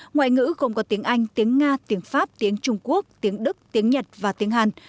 ngoại ngữ gồm có tiếng anh tiếng nga tiếng pháp tiếng trung quốc tiếng đức tiếng nhật và tiếng hàn